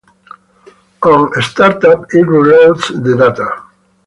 On startup it reloads the data.